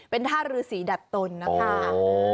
เป็นท่ารือสีดัดตนนะคะ